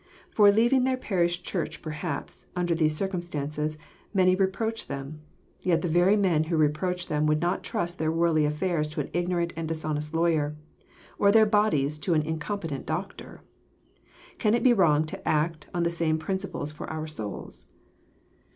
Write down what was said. For leaving their parish church per haps, under these circumstances, many reproach them. Yet the very men who reproach them would not trust their worldly affairs to an ignorant and dishonest lawyer, or their bodies to an incom petent doctor! Can it be wrong to acton the same principles for our souls